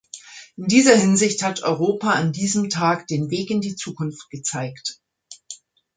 In dieser Hinsicht hat Europa an diesem Tag den Weg in die Zukunft gezeigt.